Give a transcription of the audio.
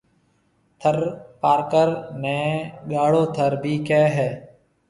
ٿر پارڪر نيَ گاڙھو ٿر ڀِي ڪيَ ھيََََ